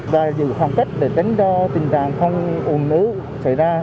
và giữ phòng kết để tính cho tình trạng không ủn ứ xảy ra